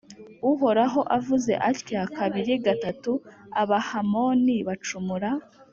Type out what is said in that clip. Uhoraho avuze atya Kabiri gatatu Abahamoni bacumura !